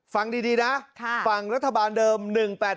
ฟังดีนะฝั่งรัฐบาลเดิม๑๘๘